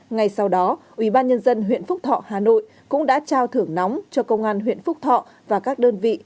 ngay sau đó ubnd huyện phúc thọ hà nội cũng đã trao thưởng nóng cho công an huyện phúc thọ và các đơn vị